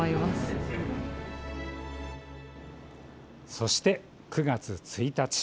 そして９月１日。